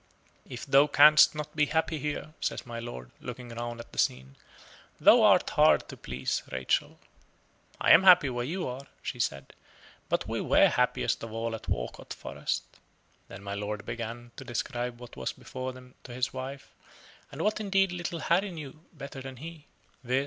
"If thou canst not be happy here," says my lord, looking round at the scene, "thou art hard to please, Rachel." "I am happy where you are," she said, "but we were happiest of all at Walcote Forest." Then my lord began to describe what was before them to his wife, and what indeed little Harry knew better than he viz.